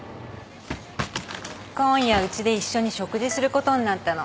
今夜うちで一緒に食事することになったの。